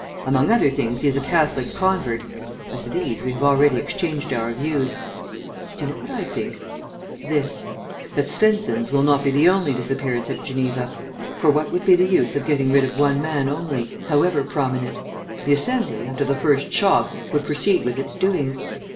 Among other things he is a Catholic convert; as to these we have already exchanged our views.... Do you know what I think? This; that Svensen's will not be the only disappearance at Geneva. For what would be the use of getting rid of one man only, however prominent? The Assembly, after the first shock, would proceed with its doings.